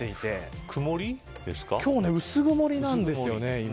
今日、薄曇りなんですよね今。